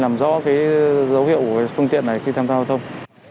làm rõ cái dấu hiệu của cái phương tiện này khi tham gia giao thông